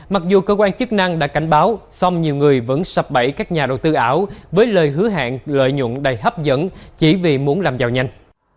mặc dù cơ quan chức năng đã cảnh báo song nhiều người vẫn sập bẫy các nhà đầu tư ảo với lời hứa hẹn lợi nhuận đầy hấp dẫn chỉ vì muốn làm giàu nhanh